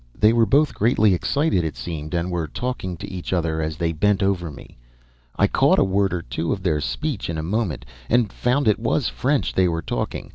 "They were both greatly excited, it seemed, and were talking to each other as they bent over me. I caught a word or two of their speech in a moment, and found it was French they were talking.